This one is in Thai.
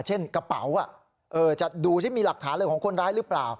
เช่นกระเป๋าจะดูที่มีหลักฐานเลยของคนร้ายหรือเปล่า